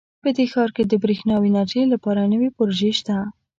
په دې ښار کې د بریښنا او انرژۍ لپاره نوي پروژې شته